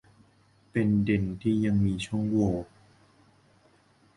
เป็นเด็นที่ยังเป็นช่องโหว่